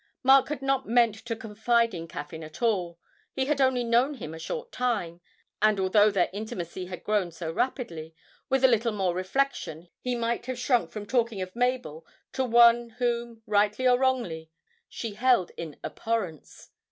Mark had not meant to confide in Caffyn at all; he had only known him a short time, and, although their intimacy had grown so rapidly, with a little more reflection he might have shrunk from talking of Mabel to one whom, rightly or wrongly, she held in abhorrence.